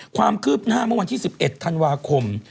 ความคืบหน้าเมื่อวันที่๑๑ธันวาคม